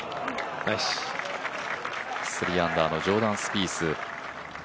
３アンダーのジョーダン・スピース。